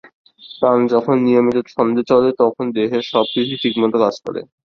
প্রাণ যখন নিয়মিত ছন্দে চলে, তখন দেহের সব-কিছুই ঠিকমত কাজ করে।